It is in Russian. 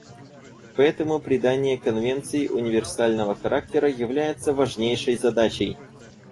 Поэтому придание Конвенции универсального характера является важнейшей задачей.